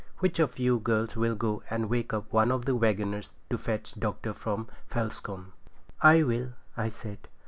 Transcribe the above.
Which of you girls will go and wake one of the waggoners to fetch Doctor from Felscombe?' 'I will,' I said.